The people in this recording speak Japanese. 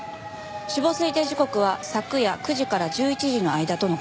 死亡推定時刻は昨夜９時から１１時の間との事です。